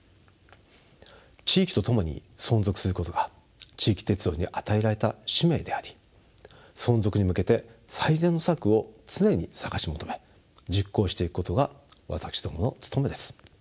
地域と共に存続することが地域鉄道に与えられた使命であり存続に向けて最善の策を常に探し求め実行していくことが私どもの務めです。